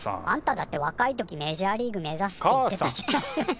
あんただって若い時メジャーリーグ目指すって。